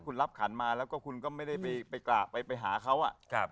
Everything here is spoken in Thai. คุณรับขันมาแล้วก็คุณก็ไม่ได้ไปกราบไปหาเขา